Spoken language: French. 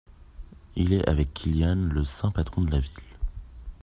Il est avec Kilian le saint patron de la ville.